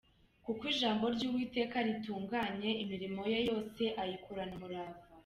Kuko ijambo ry’Uwiteka ritunganye, Imirimo ye yose ayikorana umurava.